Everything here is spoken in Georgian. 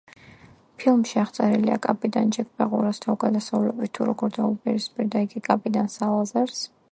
ფილმში აღწერილია კაპიტან ჯეკ ბეღურას თავგადასავლები, თუ როგორ დაუპირისპირდა იგი კაპიტან სალაზარს.